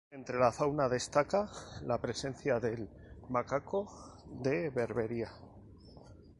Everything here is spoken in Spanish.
Entre la fauna destaca la presencia del macaco de berbería.